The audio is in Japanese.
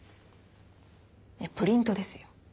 いやプリントですよ。